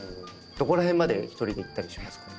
どこら辺まで１人で行ったりしますか？